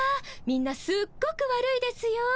みんなすっごくわるいですよ。